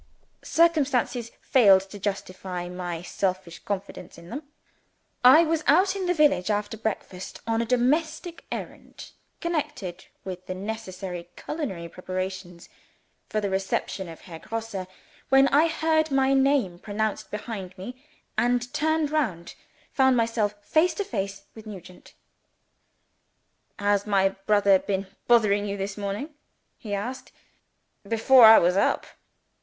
Circumstances failed to justify my selfish confidence in them. I was out in the village, after breakfast, on a domestic errand connected with the necessary culinary preparations for the reception of Herr Grosse when I heard my name pronounced behind me, and, turning round, found myself face to face with Nugent. "Has my brother been bothering you this morning," he asked, "before I was up?"